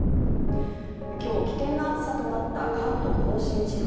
今日、危険な暑さとなった関東甲信地方。